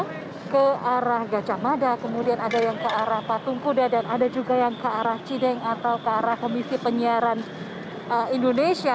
ada ke arah gajah mada kemudian ada yang ke arah patung kuda dan ada juga yang ke arah cideng atau ke arah komisi penyiaran indonesia